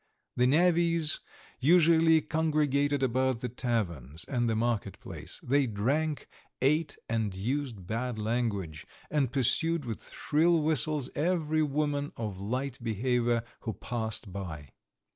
The navvies usually congregated about the taverns and the market place; they drank, ate, and used bad language, and pursued with shrill whistles every woman of light behaviour who passed by.